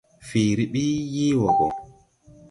Fiiri ɓi yee wɔɔ gɔ.